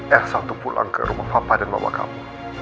elsa pulang ke rumah papa dan mama kamu